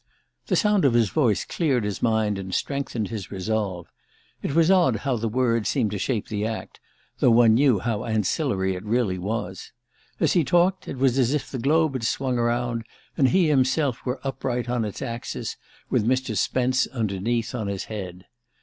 The sound of his voice cleared his mind and strengthened his resolve. It was odd how the word seemed to shape the act, though one knew how ancillary it really was. As he talked, it was as if the globe had swung around, and he himself were upright on its axis, with Mr. Spence underneath, on his head.